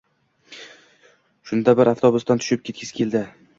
Shunda birdan avtobusdan tushib ketgisi keldi